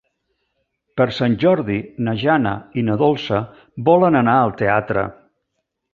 Per Sant Jordi na Jana i na Dolça volen anar al teatre.